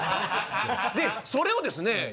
でそれをですね